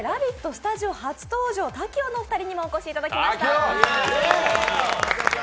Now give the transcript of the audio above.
スタジオ初登場、滝音の２人にもお越しいただきました。